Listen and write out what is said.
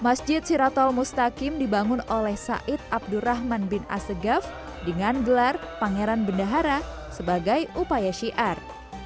masjid siratol mustaqim dibangun oleh said abdurrahman bin asegaf dengan gelar pangeran bendahara sebagai upaya syiar